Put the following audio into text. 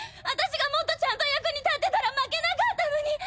あたしがもっとちゃんと役に立ってたら負けなかったのに。